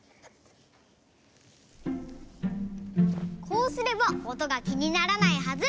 こうすればおとがきにならないはず！